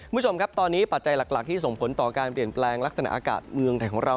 คุณผู้ชมครับตอนนี้ปัจจัยหลักที่ส่งผลต่อการเปลี่ยนแปลงลักษณะอากาศเมืองไทยของเรา